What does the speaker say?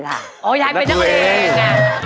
นักเรง